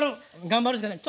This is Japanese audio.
頑張るしかない。